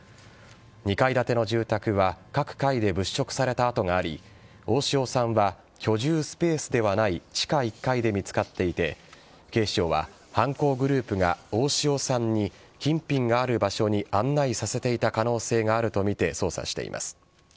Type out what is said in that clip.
２階建ての住宅は各階で物色された跡があり大塩さんは居住スペースではない地下１階で見つかっていて警察は犯行グループが大塩さんに金品がある場所に案内させていた可能性があるとみて捜査しています。